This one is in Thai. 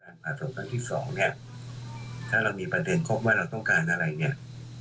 ผ่าศพครั้งที่สองเนี่ยถ้าเรามีประเด็นครบว่าเราต้องการอะไรเนี่ย